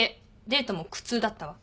デートも苦痛だったわ。